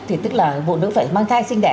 thì tức là phụ nữ phải mang thai sinh đẻ